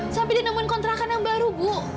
sampai di nemuin kontrakan yang baru bu